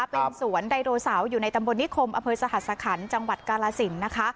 เป็นสวนไดโนเสาร์อยู่ในตำบลนิคมอำเภอสหัสขันต์จังหวัดกาลสินนะคะ